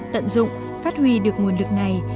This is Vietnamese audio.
tận dụng phát huy được nguồn lực này